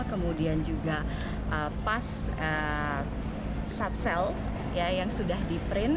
kemudian juga pas satsel yang sudah di print